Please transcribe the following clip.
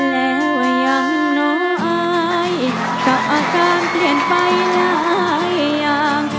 แล้วยังน้อยก็อาการเปลี่ยนไปหลายอย่าง